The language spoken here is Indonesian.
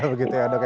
begitu ya dok